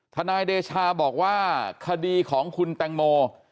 นายเดชาบอกว่าคดีของคุณแตงโม